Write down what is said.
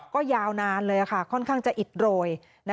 ก็ยาวนานเลยค่ะค่อนข้างจะอิดโรย